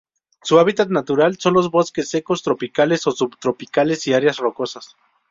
Su hábitat natural son los bosques secos tropicales o subtropicales y áreas rocosas.